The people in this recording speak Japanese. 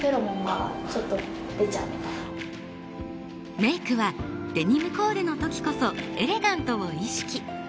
メイクはデニムコーデの時こそエレガントを意識。